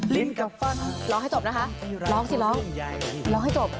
ลิ้นกับเฟิร์นร้องให้จบนะคะร้องสิร้องร้องให้จบ